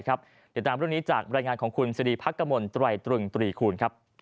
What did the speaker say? เดี๋ยวตามเรื่องนี้จากรายงานของคุณสิริพักกมลตรายตรึงตรีคูณ